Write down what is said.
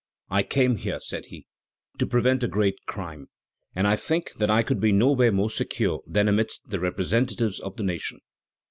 "I came here," said he, "to prevent a great crime, and I think that I could be nowhere more secure than amidst the representatives of the nation."